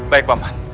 baik pak man